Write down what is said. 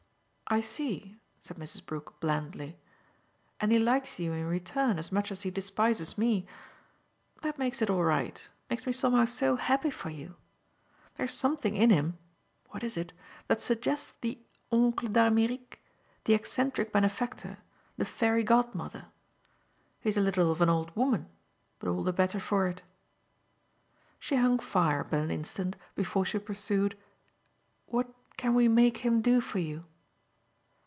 "I see," said Mrs. Brook blandly, "and he likes you in return as much as he despises me. That makes it all right makes me somehow so happy for you. There's something in him what is it? that suggests the oncle d'Amerique, the eccentric benefactor, the fairy godmother. He's a little of an old woman but all the better for it." She hung fire but an instant before she pursued: "What can we make him do for you?"